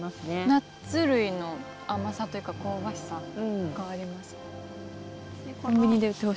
ナッツ類の甘さというか香ばしさがあります。